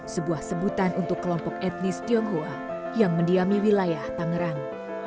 sebuah sebutan untuk kelompok etnis tionghoa yang mendiami wilayah tangerang